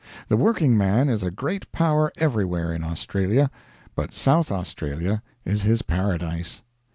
The workingman is a great power everywhere in Australia, but South Australia is his paradise.